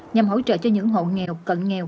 nhằm hỗ trợ cho những hộ nghèo cận nghèo